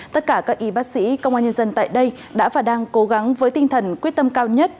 tất cả các y bác sĩ công an nhân dân tại đây đã và đang cố gắng với tinh thần quyết tâm cao nhất